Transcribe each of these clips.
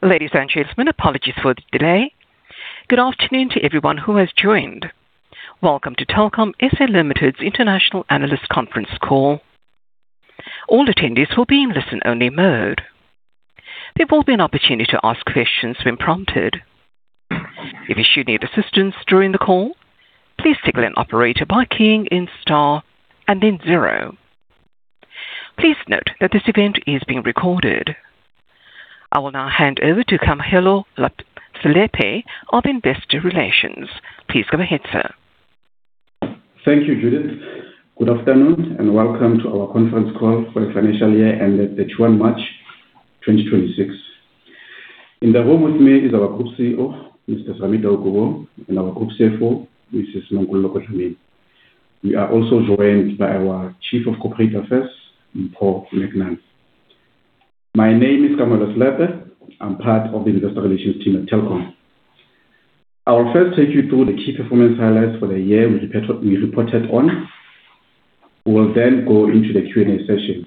Ladies and gentlemen, apologies for the delay. Good afternoon to everyone who has joined. Welcome to Telkom SA Limited's international analyst conference call. All attendees will be in listen-only mode. There will be an opportunity to ask questions when prompted. If you should need assistance during the call, please signal an operator by keying in star and then zero. Please note that this event is being recorded. I will now hand over to Kamohelo Selepe of Investor Relations. Please go ahead, sir. Thank you, Judith. Good afternoon, and welcome to our conference call for the financial year ended 31 March 2026. In the room with me is our Group CEO, Mr. Serame Taukobong, and our Group CFO, Mrs. Nondyebo Mqulwana. We are also joined by our Chief of Corporate Affairs, Mpho McNamee. My name is Kamohelo Selepe. I'm part of the Investor Relations team at Telkom. I will first take you through the key performance highlights for the year we reported on. We will then go into the Q&A session.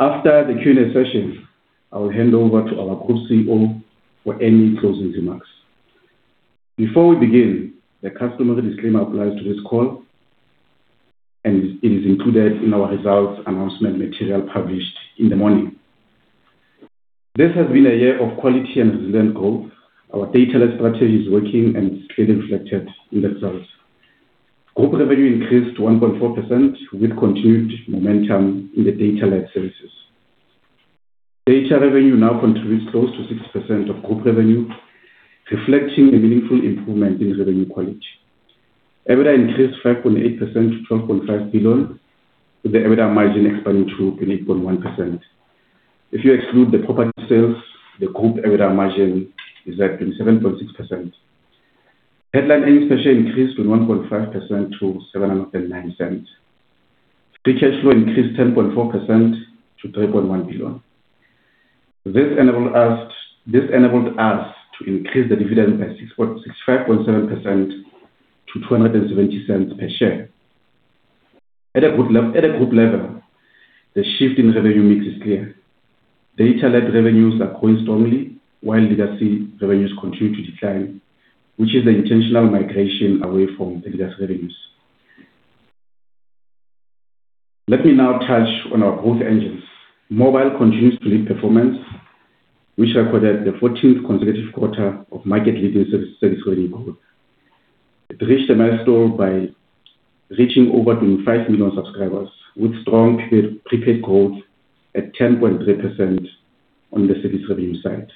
After the Q&A session, I will hand over to our Group CEO for any closing remarks. Before we begin, the customary disclaimer applies to this call, and it is included in our results announcement material published in the morning. This has been a year of quality and resilient growth. Our data-led strategy is working and is clearly reflected in the results. Group revenue increased 1.4%, with continued momentum in the data-led services. Data revenue now contributes close to 60% of group revenue, reflecting a meaningful improvement in revenue quality. EBITDA increased 5.8% to 12.5 billion, with the EBITDA margin expanding to 28.1%. If you exclude the property sales, the group EBITDA margin is at 27.6%. Headline earnings per share increased 1.5% to 7.09. Free cash flow increased 10.4% to 3.1 billion. This enabled us to increase the dividend by 65.7% to 2.70 per share. At a group level, the shift in revenue mix is clear. Data-led revenues are growing strongly, while legacy revenues continue to decline, which is the intentional migration away from legacy revenues. Let me now touch on our growth engines. Mobile continues to lead performance. We recorded the 14th consecutive quarter of market-leading service revenue growth. It reached a milestone by reaching over 25 million subscribers, with strong prepaid growth at 10.3% on the service revenue side.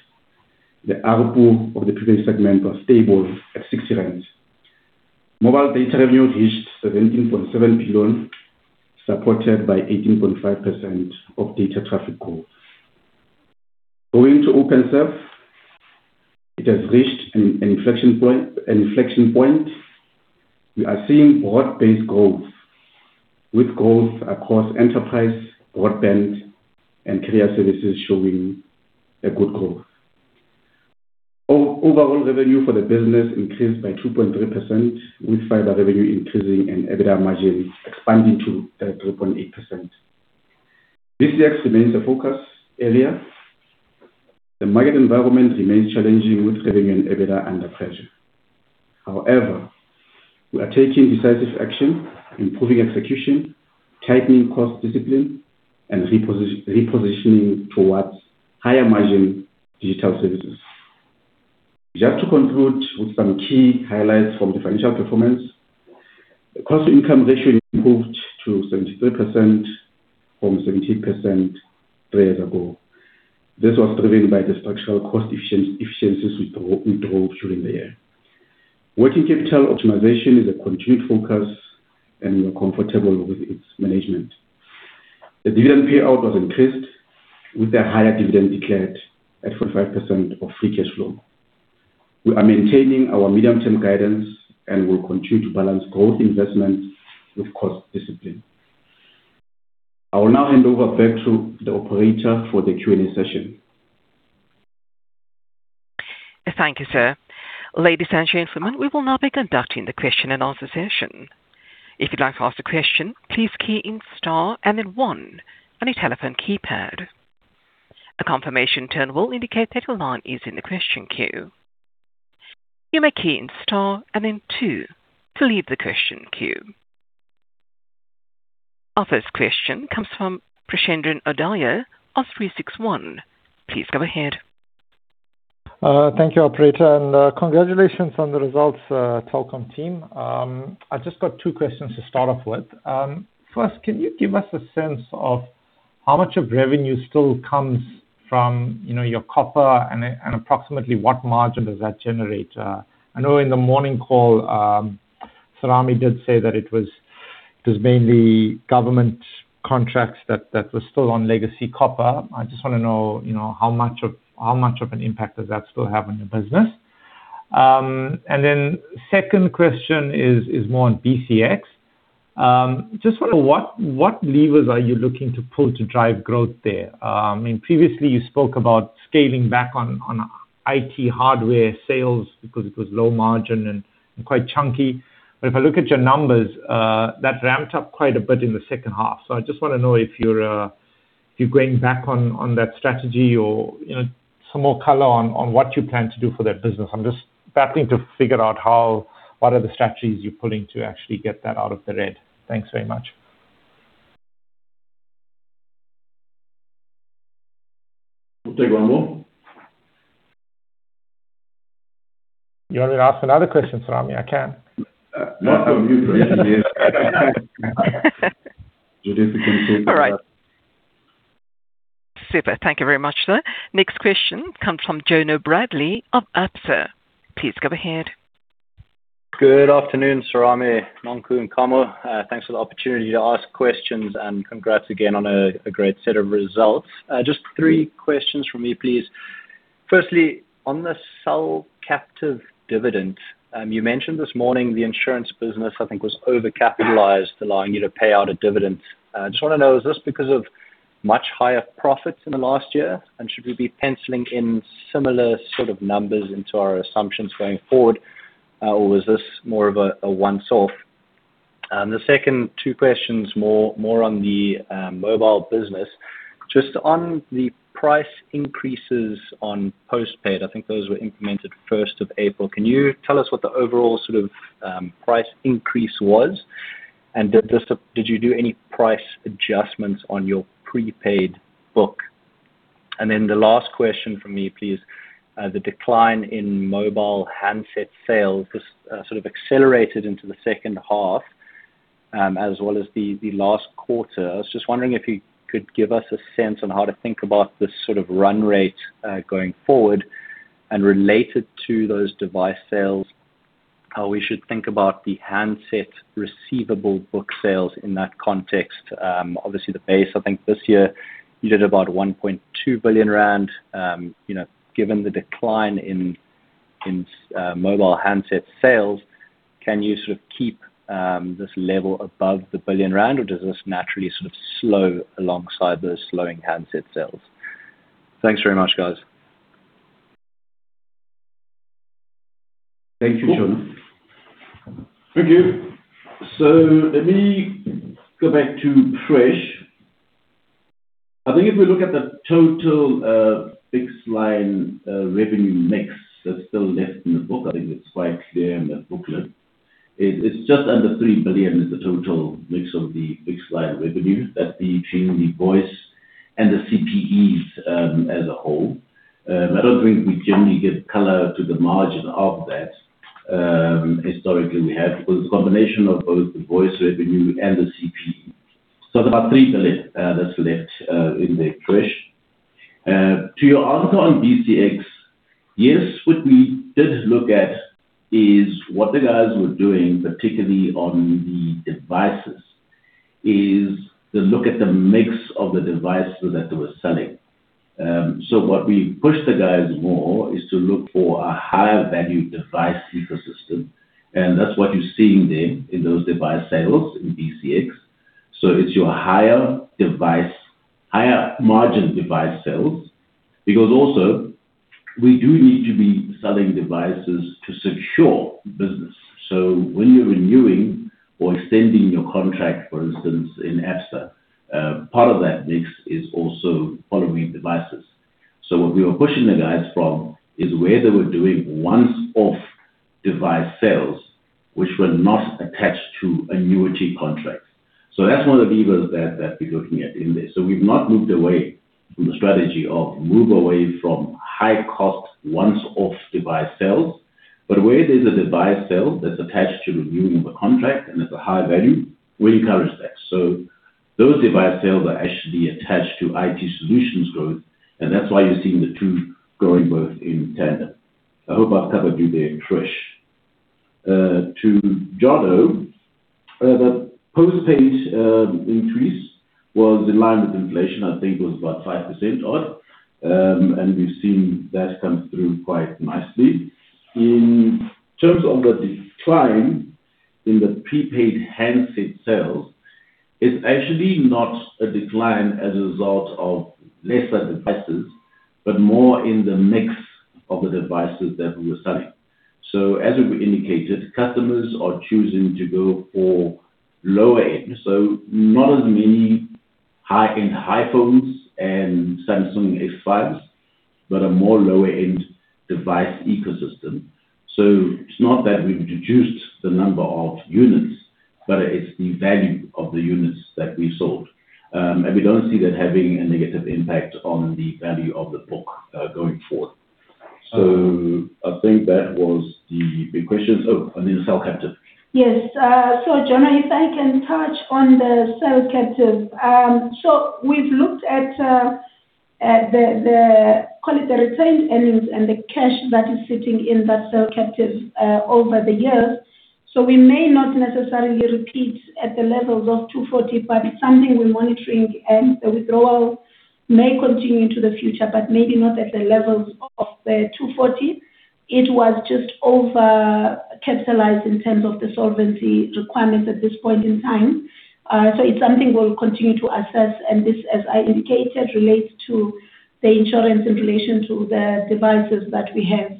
The ARPU of the prepaid segment was stable at 60 rand. Mobile data revenue reached 17.7 billion, supported by 18.5% of data traffic growth. Going to Openserve, it has reached an inflection point. We are seeing broad-based growth, with growth across enterprise, broadband, and carrier services showing good growth. Overall revenue for the business increased by 2.3%, with fiber revenue increasing and EBITDA margin expanding to 3.8%. BCX remains a focus area. The market environment remains challenging, with revenue and EBITDA under pressure. We are taking decisive action, improving execution, tightening cost discipline, and repositioning towards higher-margin digital services. Just to conclude with some key highlights from the financial performance. Cost income ratio improved to 73% from 70% three years ago. This was driven by the structural cost efficiencies we drove during the year. Working capital optimization is a continued focus, and we are comfortable with its management. The dividend payout was increased, with a higher dividend declared at 45% of free cash flow. We are maintaining our medium-term guidance and will continue to balance growth investment with cost discipline. I will now hand over back to the operator for the Q&A session. Thank you, sir. Ladies and gentlemen, we will now be conducting the question and answer session. If you'd like to ask a question, please key in star and then one on your telephone keypad. A confirmation tone will indicate that your line is in the question queue. You may key in star and then two to leave the question queue. Our first question comes from Preshendran Odayar, 36ONE. Please go ahead. Thank you, operator, and congratulations on the results, Telkom team. I've just got two questions to start off with. First, can you give us a sense of how much of revenue still comes from your copper, and approximately what margin does that generate? I know in the morning call, Serame did say that it was mainly government contracts that were still on legacy copper. I just want to know how much of an impact does that still has on your business. The second question is more on BCX. Just wonder what levers are you looking to pull to drive growth there? Previously, you spoke about scaling back on IT hardware sales because it was low margin and quite chunky. If I look at your numbers, that ramped up quite a bit in the second half. I just want to know if you're going back on that strategy or some more color on what you plan to do for that business. I'm just battling to figure out what are the strategies you're putting to actually get that out of the red. Thanks very much. We'll take one more. You want me to ask another question, Serame? I can. Not from you, please. Judith, you can take that one. All right. Super. Thank you very much, sir. Next question comes from Jono Bradley of Absa. Please go ahead. Good afternoon, Serame, Nonku, and Kamo. Thanks for the opportunity to ask questions and congrats again on a great set of results. Just three questions from me, please. Firstly, on the cell captive dividend, you mentioned this morning the insurance business, I think, was over-capitalized, allowing you to pay out a dividend. Just want to know, is this because of much higher profits in the last year? Should we be penciling in similar sort of numbers into our assumptions going forward? Was this more of a once-off? The second two questions, more on the mobile business. Just on the price increases on postpaid, I think those were implemented 1st of April. Can you tell us what the overall price increase was? Did you do any price adjustments on your prepaid book? The last question from me, please. The decline in mobile handset sales just sort of accelerated into the second half, as well as the last quarter. I was just wondering if you could give us a sense on how to think about this sort of run rate, going forward. Related to those device sales, how we should think about the handset receivable book sales in that context. Obviously the base, I think this year you did about 1.2 billion rand. Given the decline in mobile handset sales, can you sort of keep this level above the 1 billion rand? Does this naturally sort of slow alongside those slowing handset sales? Thanks very much, guys. Thank you, Jono. Thank you. Let me go back to Presh. I think if we look at the total fixed line revenue mix that's still left in the book, I think it's quite clear in that booklet. It's just under 3 billion is the total mix of the fixed line revenue. That's the voice and the CPEs as a whole. I don't think we generally give color to the margin of that. Historically, we have, because it's a combination of both the voice revenue and the CPE. It's about 3 billion that's left in there, Presh. To your answer on BCX, yes, what we did look at is what the guys were doing, particularly on the devices, is to look at the mix of the devices that they were selling. What we pushed the guys more is to look for a higher value device ecosystem, and that's what you're seeing there in those device sales in BCX. It's your higher margin device sales. Also we do need to be selling devices to secure business. When you're renewing or extending your contract, for instance, in Absa, part of that mix is also follow-me devices. What we were pushing the guys from is where they were doing once-off device sales, which were not attached to annuity contracts. That's one of the levers that we're looking at in there. We've not moved away from the strategy of move away from high cost, once-off device sales. Where there's a device sale that's attached to renewing of a contract and it's a high value, we encourage that. Those device sales are actually attached to IT solutions growth, and that's why you're seeing the two growing both in tandem. I hope I've covered you there, Presh. To Jono. The postpaid increase was in line with inflation, I think it was about 5% odd. We've seen that come through quite nicely. In terms of the decline in the prepaid handset sales, it's actually not a decline as a result of lesser devices, but more in the mix of the devices that we were selling. As we indicated, customers are choosing to go for lower end. Not as many high-end iPhones and Samsung Galaxy A55, but a more lower end device ecosystem. It's not that we've reduced the number of units, but it's the value of the units that we sold. We don't see that having a negative impact on the value of the book, going forward. I think that was the big questions. Oh, then cell captive. Yes. Jono, if I can touch on the cell captive. We've looked at the, call it, the retained earnings and the cash that is sitting in that cell captive over the years. We may not necessarily repeat at the levels of 240, but it's something we're monitoring, and the withdrawal may continue into the future, but maybe not at the levels of the 240. It was just over-capitalized in terms of the solvency requirements at this point in time. It's something we'll continue to assess, and this, as I indicated, relates to the insurance in relation to the devices that we have.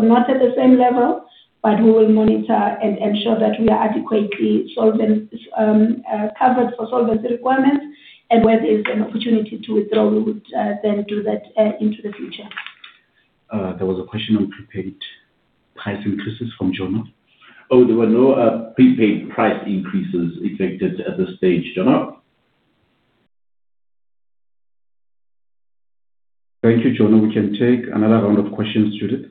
Not at the same level. We will monitor and ensure that we are adequately covered for solvency requirements, and where there is an opportunity to withdraw, we would then do that into the future. There was a question on prepaid price increases from Jono. There were no prepaid price increases effected at this stage, Jono. Thank you, Jono. We can take another round of questions, Judith.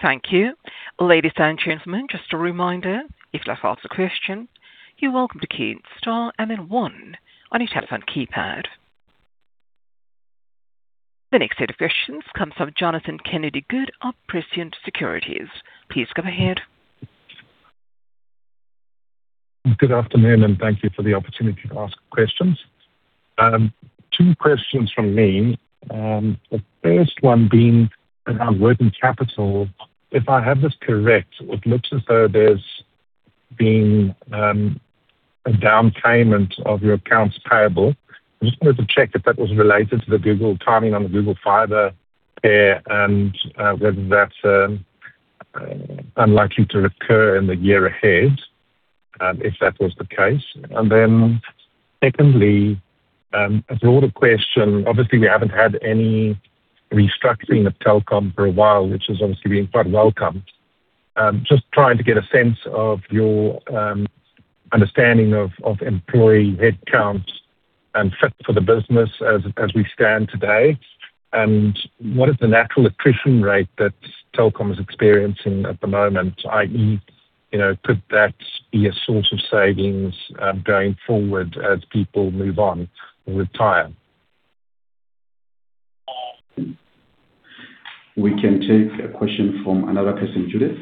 Thank you. Ladies and gentlemen, just a reminder, if you'd like to ask a question, you're welcome to key in star and then one on your telephone keypad. The next set of questions comes from Jonathan Kennedy-Good of Prescient Securities. Please go ahead. Good afternoon. Thank you for the opportunity to ask questions. Two questions from me. The first one being around working capital. If I have this correct, it looks as though there's been a down payment of your accounts payable. I just wanted to check if that was related to the timing on the Google Fibre pay and whether that's unlikely to recur in the year ahead, if that was the case. Secondly, a broader question. Obviously, we haven't had any restructuring of Telkom for a while, which has obviously been quite welcomed. Just trying to get a sense of your understanding of employee headcount and fit for the business as we stand today. What is the natural attrition rate that Telkom is experiencing at the moment, i.e., could that be a source of savings going forward as people move on or retire? We can take a question from another person, Judith.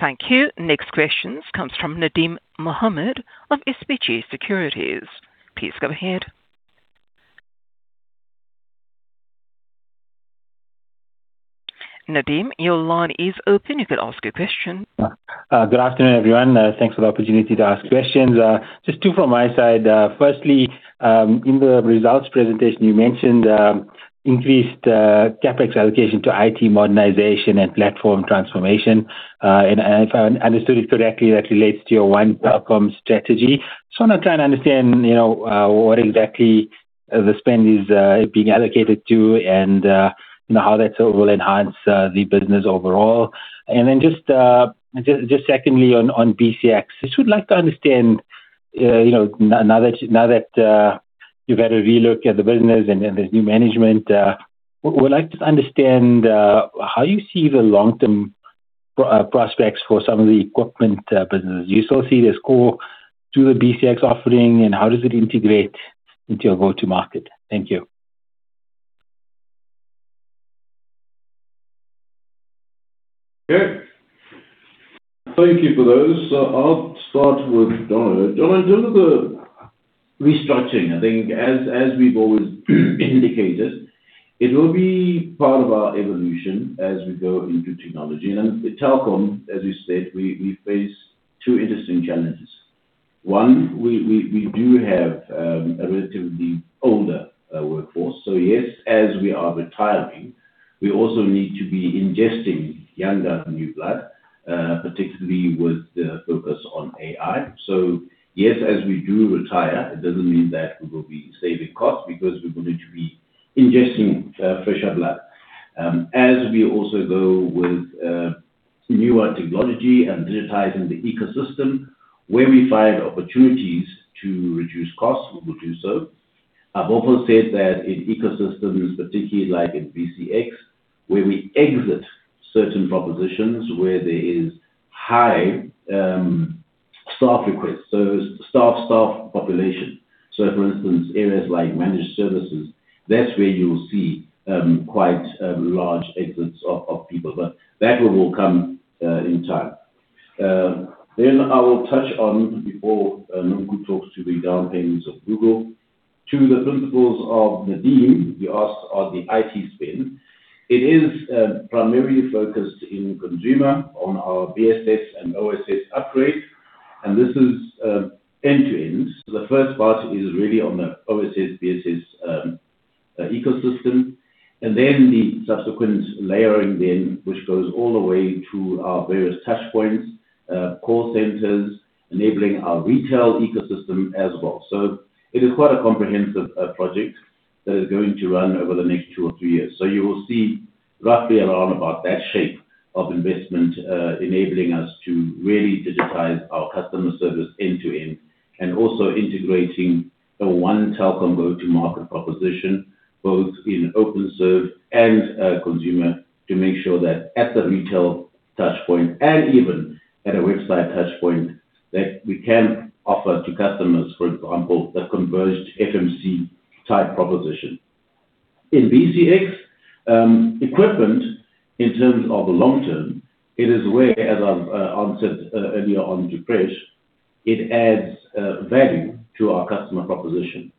Thank you. Next questions comes from Nadim Mohamed of SBG Securities. Please go ahead. Nadim, your line is open. You can ask your question. Good afternoon, everyone. Thanks for the opportunity to ask questions. Just two from my side. Firstly, in the results presentation you mentioned increased CapEx allocation to IT modernization and platform transformation. If I understood it correctly, that relates to your OneTelkom strategy. Just want to try and understand what exactly the spend is being allocated to and how that will enhance the business overall. Just secondly on BCX, I just would like to understand now that you've had a relook at the business and there's new management, would like to understand how you see the long-term prospects for some of the equipment businesses. Do you still see this core to the BCX offering, and how does it integrate into your go-to market? Thank you. Okay. Thank you for those. I'll start with Jonathan. Jonathan, in terms of the restructuring, I think as we've always indicated, it will be part of our evolution as we go into technology. At Telkom, as we said, we face two interesting challenges. One, we do have a relatively older workforce. Yes, as we are retiring, we also need to be ingesting younger new blood, particularly with the focus on AI. Yes, as we do retire, it doesn't mean that we will be saving costs because we will need to be ingesting fresher blood. As we also go with newer technology and digitizing the ecosystem, where we find opportunities to reduce costs, we will do so. I've also said that in ecosystems, particularly like in BCX, where we exit certain propositions where there is high staff requests, so staff population. For instance, areas like managed services, that's where you'll see quite large exits of people. I will touch on, before Nonku talks to the down payments of Google, to the principles of Nadim, he asked of the IT spend. It is primarily focused in consumer on our BSS and OSS upgrade, and this is end-to-end. The first part is really on the OSS, BSS ecosystem, and then the subsequent layering then, which goes all the way to our various touchpoints, call centers, enabling our retail ecosystem as well. It is quite a comprehensive project that is going to run over the next two or three years. You will see roughly around about that shape of investment, enabling us to really digitize our customer service end to end, and also integrating a OneTelkom go-to-market proposition, both in Openserve and consumer, to make sure that at the retail touchpoint and even at a website touchpoint, that we can offer to customers, for example, a converged FMC type proposition. In BCX, equipment in terms of the long term, it is where, as I've answered earlier on to Presh, it adds value to our customer proposition.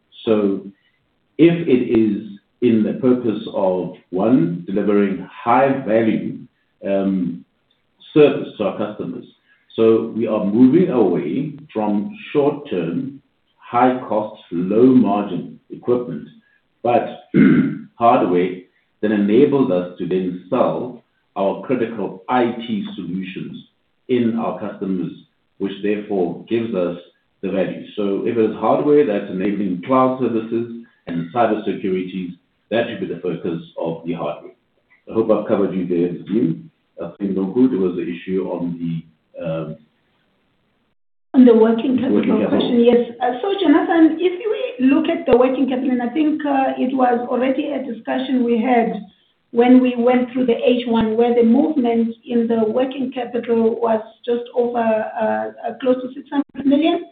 If it is in the purpose of, one, delivering high value-Service to our customers. We are moving away from short-term, high cost, low margin equipment. Hardware that enables us to then sell our critical IT solutions in our customers, which therefore gives us the value. If it's hardware that's enabling cloud services and cyber securities, that should be the focus of the hardware. I hope I've covered you there, Nadim. I think on Google, there was an issue on the. On the working capital question. Working capital. Yes. Jonathan, if we look at the working capital, I think it was already a discussion we had when we went through the H1, where the movement in the working capital was just over close to 600 million.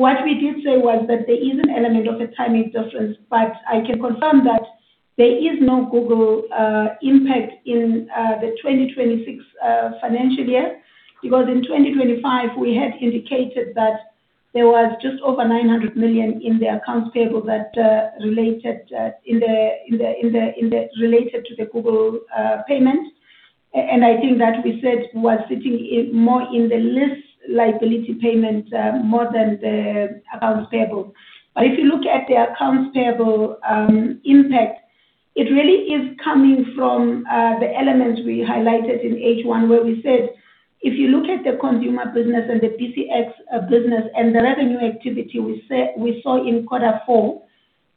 What we did say was that there is an element of a timing difference. I can confirm that there is no Google impact in the 2026 financial year, because in 2025, we had indicated that there was just over 900 million in the accounts payable that related to the Google payment. I think that we said was sitting more in the less liability payment, more than the accounts payable. If you look at the accounts payable impact, it really is coming from the elements we highlighted in H1, where we said, if you look at the consumer business and the BCX business and the revenue activity we saw in quarter four,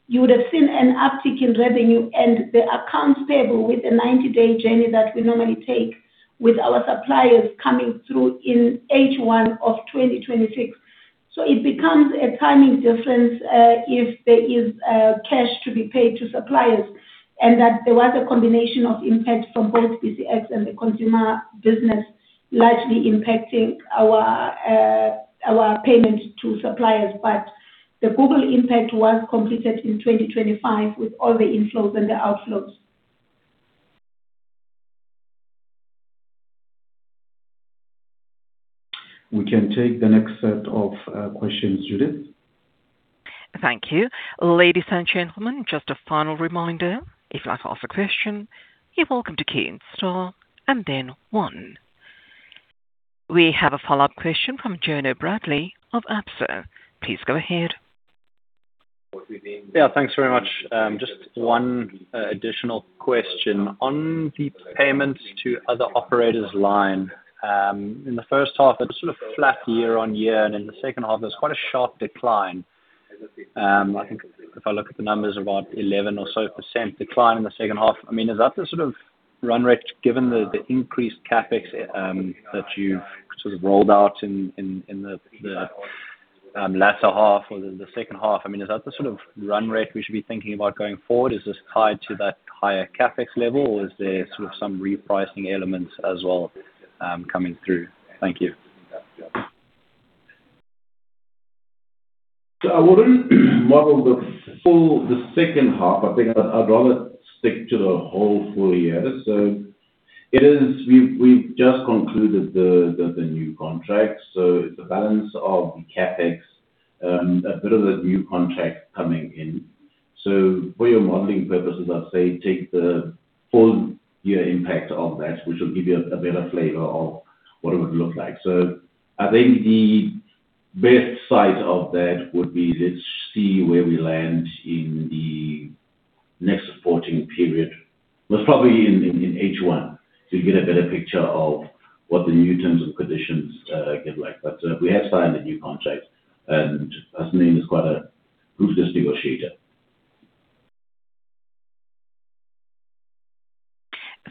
you would've seen an uptick in revenue and the accounts payable with the 90-day journey that we normally take with our suppliers coming through in H1 of 2026. It becomes a timing difference, if there is cash to be paid to suppliers, and that there was a combination of impact from both BCX and the consumer business largely impacting our payment to suppliers. The Google impact was completed in 2025 with all the inflows and the outflows. We can take the next set of questions, Judith. Thank you. Ladies and gentlemen, just a final reminder, if you'd like to ask a question, you're welcome to key in star and then one. We have a follow-up question from Jono Bradley of Absa. Please go ahead. What we've been- Yeah, thanks very much. Just one additional question. On the payments to other operators line. In the first half, it was sort of flat year-on-year, and in the second half, there was quite a sharp decline. I think if I look at the numbers, about 11% or so decline in the second half. Is that the sort of run rate given the increased CapEx, that you've sort of rolled out in the latter half or the second half? Is that the sort of run rate we should be thinking about going forward? Is this tied to that higher CapEx level, or is there sort of some repricing elements as well coming through? Thank you. I wouldn't model the second half. I think I'd rather stick to the whole full year. We've just concluded the new contract. It's a balance of the CapEx, a bit of the new contract coming in. For your modeling purposes, I'd say take the full year impact of that, which will give you a better flavor of what it would look like. I think the best side of that would be, let's see where we land in the next reporting period. Probably in H1 to get a better picture of what the new terms and conditions, look like. We have signed a new contract, and as the name, is quite a ruthless negotiator.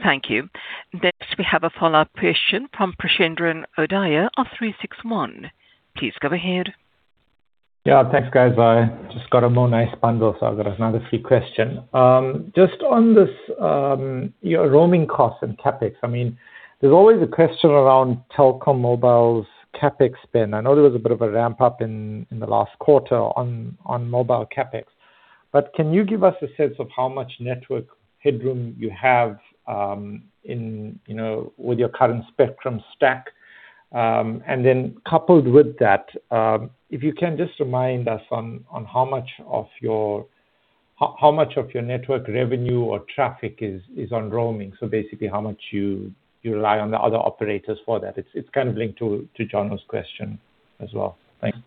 Thank you. Next, we have a follow-up question from Preshendran Odayar of 36ONE. Please go ahead. Yeah, thanks, guys. I just got a more nice bundle, so I've got another free question. Just on this, your roaming cost and CapEx. There's always a question around Telkom Mobile's CapEx spend. I know there was a bit of a ramp-up in the last quarter on mobile CapEx. Can you give us a sense of how much network headroom you have with your current spectrum stack? Coupled with that, if you can just remind us on how much of your network revenue or traffic is on roaming. Basically, how much you rely on the other operators for that. It's kind of linked to Jono's question as well. Thanks.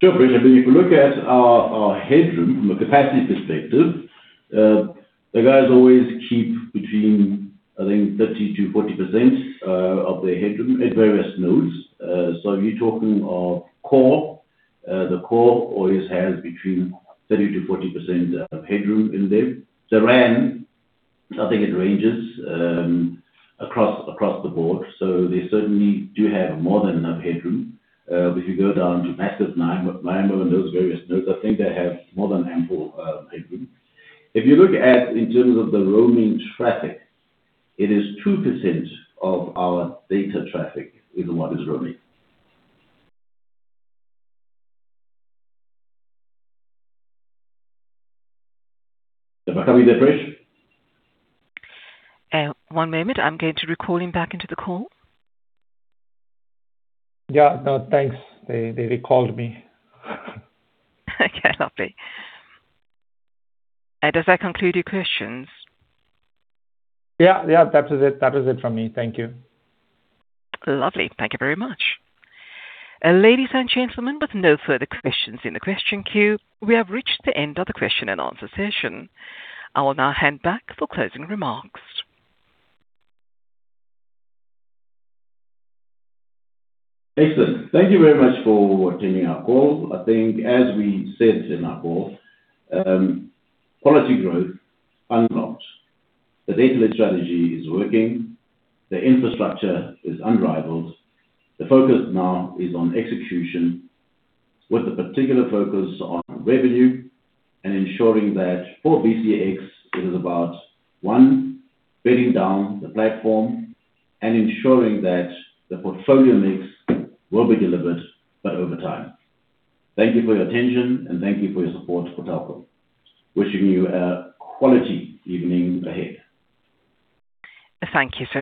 Sure, Presh. I mean, if you look at our headroom from a capacity perspective, the guys always keep between, I think 30%-40%, of their headroom at various nodes. If you're talking of core, the core always has between 30%-40% of headroom in there. The RAN, I think it ranges across the board, so they certainly do have more than enough headroom. If you go down to massive MIMO and those various nodes, I think they have more than ample headroom. If you look at in terms of the roaming traffic, it is 2% of our data traffic is what is roaming. Am I coming there, Presh? One moment. I'm going to recall him back into the call. Yeah. No, thanks. They recalled me. Okay, lovely. Does that conclude your questions? Yeah. That was it from me. Thank you. Lovely. Thank you very much. Ladies and gentlemen, with no further questions in the question queue, we have reached the end of the question and answer session. I will now hand back for closing remarks. Excellent. Thank you very much for attending our call. I think as we said in our call, quality growth unlocked. The data led strategy is working. The infrastructure is unrivaled. The focus now is on execution with a particular focus on revenue and ensuring that for BCX, it is about one, bedding down the platform and ensuring that the portfolio mix will be delivered, but over time. Thank you for your attention, and thank you for your support for Telkom. Wishing you a quality evening ahead. Thank you, sir.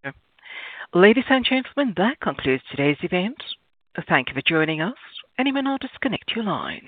Ladies and gentlemen, that concludes today's event. Thank you for joining us. Anyone, I'll disconnect your line.